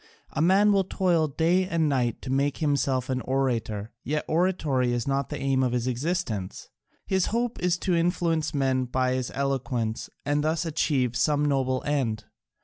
A man will toil day and night to make himself an orator, yet oratory is not the one aim of his existence: his hope is to influence men by his eloquence and thus achieve some noble end.